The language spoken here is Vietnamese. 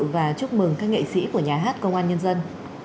và chúc mừng các nghệ sĩ của nhà hát công an nhân dân